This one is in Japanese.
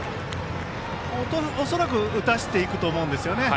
恐らく打たせていくと思うんですよね。